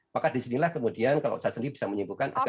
maka disinilah kemudian kalau saya sendiri bisa menyimpulkan